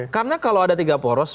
karena kalau ada tiga poros